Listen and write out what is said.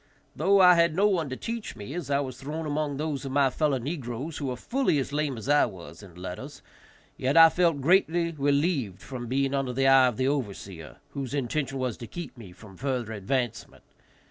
Though I had no one to teach me, as I was thrown among those of my fellow negroes who were fully as lame as I was in letters, yet I felt greatly relieved from being under the eye of the overseer, whose intention was to keep me from further advancement.